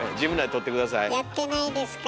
やってないですからね。